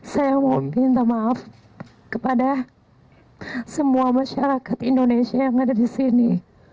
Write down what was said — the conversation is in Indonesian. saya mau minta maaf kepada semua masyarakat indonesia yang ada di sini